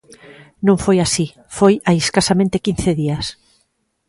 Non foi así, foi hai escasamente quince días.